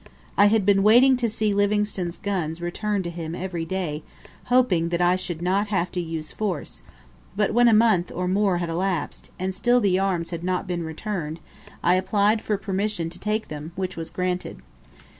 I had been waiting to see Livingstone's guns returned to him every day, hoping that I should not have to use force; but when a month or more had elapsed, and still the arms had not been returned, I applied for permission to take them, which was granted.